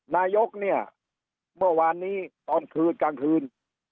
นายกเนี่ยเมื่อวานนี้ตอนคืนกลางคืน